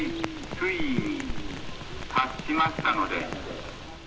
水位に達しましたので。